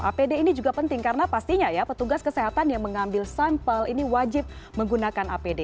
apd ini juga penting karena pastinya ya petugas kesehatan yang mengambil sampel ini wajib menggunakan apd